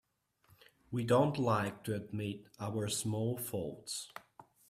We don't like to admit our small faults.